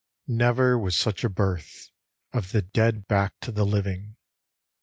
Never was such a birth — of the dead back to the living.